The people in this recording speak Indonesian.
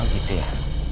oh gitu ya